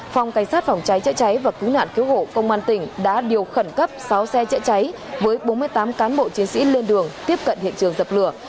phòng cảnh sát phòng cháy chữa cháy và cứu nạn cứu hộ công an tỉnh đã điều khẩn cấp sáu xe chữa cháy với bốn mươi tám cán bộ chiến sĩ lên đường tiếp cận hiện trường dập lửa